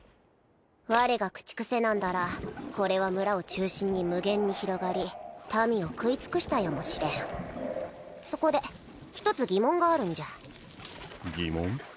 我が駆逐せなんだらこれは村を中心に無限に広がり民を食い尽くしたやもしれんそこで一つ疑問があるんじゃ疑問？